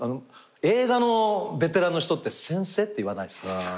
映画のベテランの人って「先生」って言わないっすか？